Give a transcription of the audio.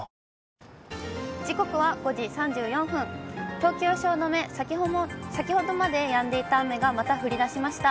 東京・汐留、先ほどまでやんでいた雨がまだ降りだしました。